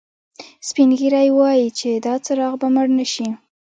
سپین ږیری وایي چې دا څراغ به مړ نه شي